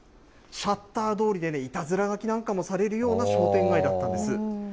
シャッター通りで、いたずら書きなんかもされるような商店街だったんです。